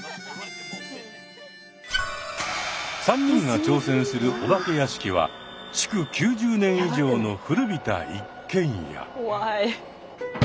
３人が挑戦するお化け屋敷は築９０年以上の古びた一軒家。